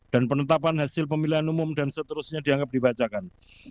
dan penetapan hasil pemilihan umum dan seterusnya dianggap dibacakan